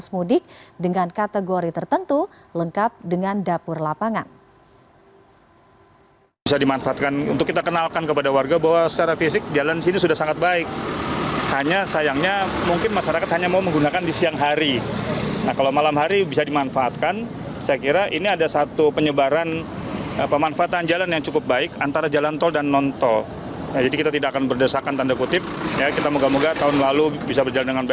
menghitung keberadaan personel dan pos mudik dengan kategori tertentu lengkap dengan dapur lapangan